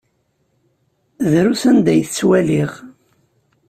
Drus anda ay t-ttwaliɣ.